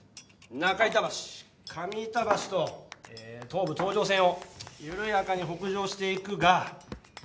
上板橋と東武東上線を緩やかに北上していくが。